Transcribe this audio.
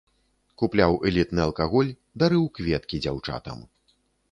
Купляў элітны алкаголь, дарыў кветкі дзяўчатам.